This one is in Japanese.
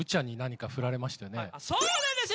そうなんですよ